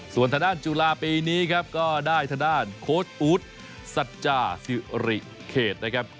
ส่วนทดานจุฬาปีนี้ครับก็ได้ทดานโค้ชอุทธ์สัจจาศิริเขตนะครับ